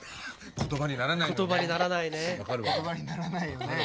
言葉にならないよね。